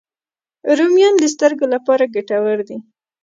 رومیان د سترګو لپاره ګټور دي